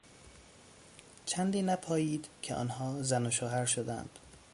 چندی نپایید که آنها زن و شوهر شدند.